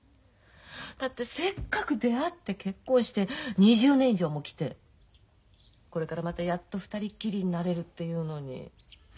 だってせっかく出会って結婚して２０年以上もきてこれからまたやっと２人っきりになれるっていうのに。